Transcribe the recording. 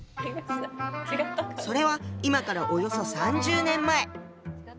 それは今からおよそ３０年前。